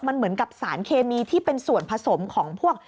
มันเหมือนกับสารเคมีที่เป็นส่วนผสมของพวก